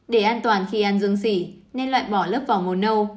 để an toàn khi ăn dương xỉ nên loại bỏ lớp vỏ màu nâu